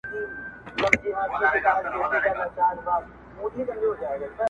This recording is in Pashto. زه په تیارو کي چي ډېوه ستایمه,